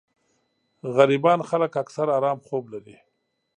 غريبان خلک اکثر ارام خوب لري